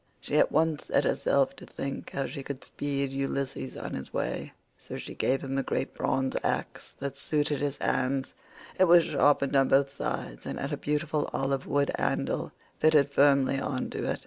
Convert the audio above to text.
She at once set herself to think how she could speed Ulysses on his way. So she gave him a great bronze axe that suited his hands; it was sharpened on both sides, and had a beautiful olive wood handle fitted firmly on to it.